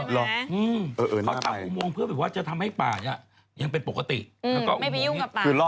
ติดตั้งแต่เมื่อวานแล้วเขาเริ่มทายอยออกกันแล้วล่ะ